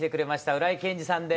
浦井健治さんです。